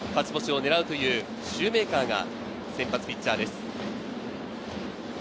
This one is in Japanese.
およそ１か月半ぶりの勝ち星を狙うというシューメーカーが先発ピッチャーです。